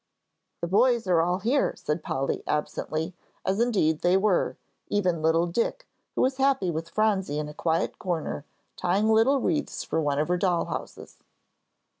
"The boys are all here," said Polly, absently, as indeed they were, even little Dick, who was happy with Phronsie in a quiet corner, tying little wreaths for one of her doll houses.